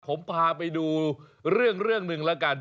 ผมพาไปดูเรื่องหนึ่งแล้วกัน